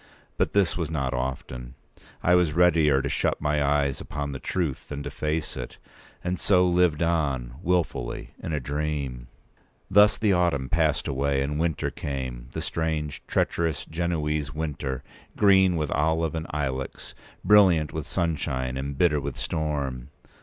But this was not often. I was readier to shut my eyes upon the truth than to face it; and so lived on, wilfully, in a dream. Thus the autumn passed away, and winter p. 196came—the strange, treacherous, Genoese winter, green with olive and ilex, brilliant with sunshine, and bitter with storm.